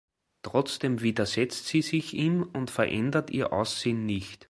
Trotzdem widersetzt sie sich ihm und verändert ihr Aussehen nicht.